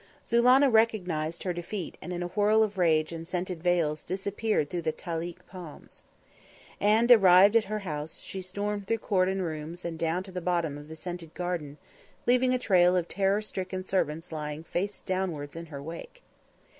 Zulannah recognised her defeat and in a whirl of rage and scented veils disappeared through the talik palms. And, arrived at her house, she stormed through court and rooms and down to the bottom of the scented garden, leaving a trail of terror stricken servants lying face downwards in her wake.